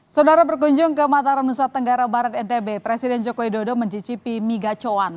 saudara berkunjung ke mataram nusa tenggara barat ntb presiden jokowi dodo mencicipi migacoan